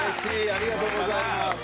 ありがとうございます。